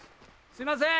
すいません！